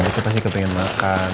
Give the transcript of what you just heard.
misalnya pasti kamu pengen makan